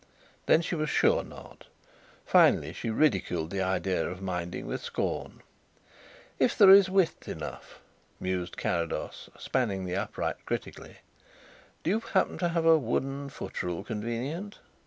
Then she was sure not. Finally she ridiculed the idea of minding with scorn. "If there is width enough," mused Carrados, spanning the upright critically. "Do you happen to have a wooden foot rule convenient?"